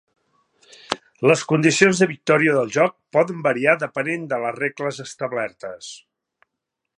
Les condicions de victòria del joc poden variar depenent de les regles establertes.